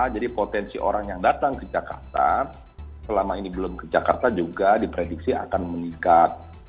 jadi potensi orang yang datang ke jakarta selama ini belum ke jakarta juga diprediksi akan meningkat